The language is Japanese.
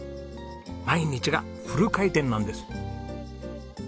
毎日がフル回転なんです。